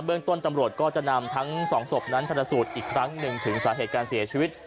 เรื่องต้นตำรวจก็จะนำทั้งสองศพนั้นชนสูตรอีกครั้งหนึ่งถึงสาเหตุการเสียชีวิต